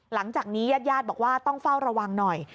หลังจากนี้ญาติญาติบอกว่าต้องเฝ้าระวังหน่อย